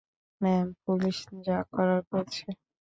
Ma'am, police যা করার করছে।